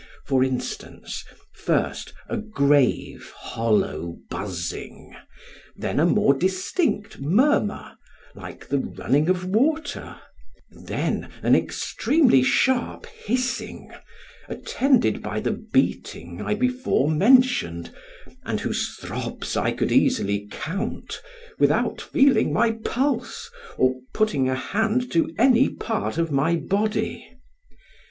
For instance, first a grave hollow buzzing; then a more distinct murmur, like the running of water; then an extremely sharp hissing, attended by the beating I before mentioned, and whose throbs I could easily count, without feeling my pulse, or putting a hand to any part of my body.